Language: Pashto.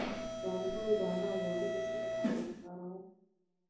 د انګور دانه غوړي د څه لپاره وکاروم؟